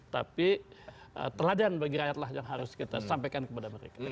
tapi teladan bagi rakyatlah yang harus kita sampaikan kepada mereka